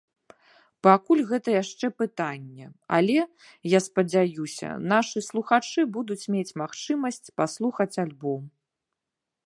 Пакуль гэта яшчэ пытанне, але, я спадзяюся, нашы слухачы будуць мець магчымасць паслухаць альбом.